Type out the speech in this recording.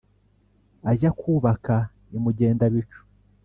ajya kwubaka i mugenda-bicu.